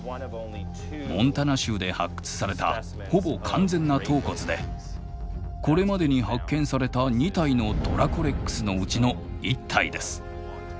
モンタナ州で発掘されたほぼ完全な頭骨でこれまでに発見された２体のドラコレックスのうちの１体です。